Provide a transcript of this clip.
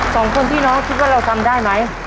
สองคนพี่น้องคิดว่าเราทำได้ไหม